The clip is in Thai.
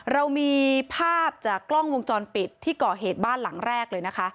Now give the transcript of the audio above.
เรามีภาพจากกล้องวงจรปิดที่ก่อเหตุบ้านหลังแรกเลยนะคะ